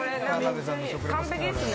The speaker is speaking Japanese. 完璧ですね。